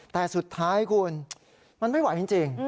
แต่สุดท้ายคุณมันไม่ไหวจริง